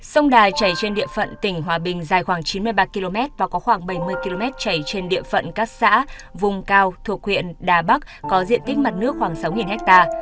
sông đà chảy trên địa phận tỉnh hòa bình dài khoảng chín mươi ba km và có khoảng bảy mươi km chảy trên địa phận các xã vùng cao thuộc huyện đà bắc có diện tích mặt nước khoảng sáu ha